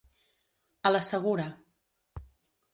A la segura.